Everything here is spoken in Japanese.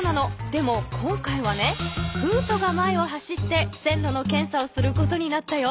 でも今回はねフートが前を走って線路のけんさをすることになったよ。